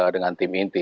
dengan tim inti